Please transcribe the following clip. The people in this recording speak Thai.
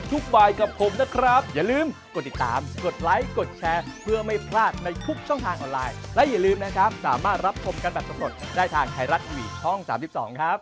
หัวเราะแทนาทีวี๓๒แห่งนี้นะคะ